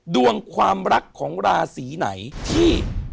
ดวงความรักของราศีไหนที่